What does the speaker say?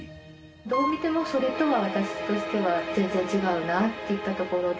どう見てもそれとは私としては全然違うなっていったところで。